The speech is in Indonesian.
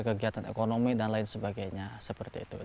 kegiatan ekonomi dan lain sebagainya seperti itu